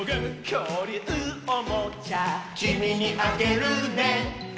「きょうりゅうおもちゃ」「きみにあげるね」